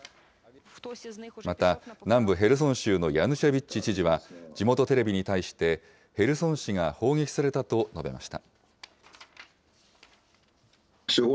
また、南部ヘルソン州のヤヌシェビッチ知事は、地元テレビに対して、ヘルソン市が砲撃されたと述べました。